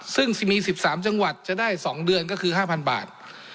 ซึ่งมีสิบสามจังหวัดจะได้สองเดือนก็คือห้าพันบาท